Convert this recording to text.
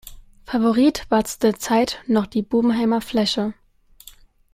Favorit war zu der Zeit noch die Bubenheimer Flesche.